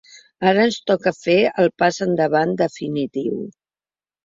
Ara ens toca fer el pas endavant definitiu.